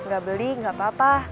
gak beli gak apa apa